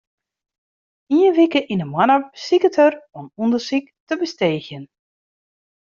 Ien wike yn 'e moanne besiket er oan ûndersyk te besteegjen.